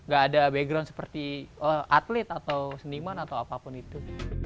gak ada background seperti atlet atau seniman atau apapun itu